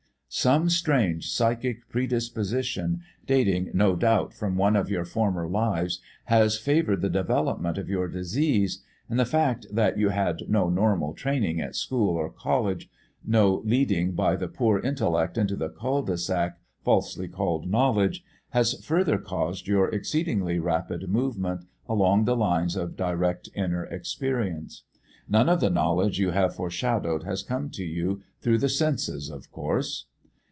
"Some strange psychic predisposition, dating no doubt from one of your former lives, has favoured the development of your 'disease'; and the fact that you had no normal training at school or college, no leading by the poor intellect into the culs de sac falsely called knowledge, has further caused your exceedingly rapid movement along the lines of direct inner experience. None of the knowledge you have foreshadowed has come to you through the senses, of course."